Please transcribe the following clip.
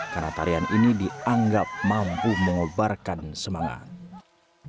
karena tarian ini dianggap mampu mengobarkan semangat